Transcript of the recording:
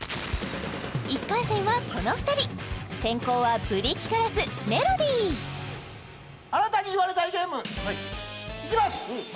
１回戦はこの２人先攻はブリキカラスメロディあなたに言われたいゲームいきます